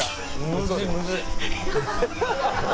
むずいむずい。